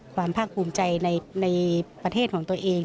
ภาคภูมิใจในประเทศของตัวเอง